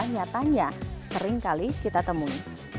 nyatanya sering kali kita temui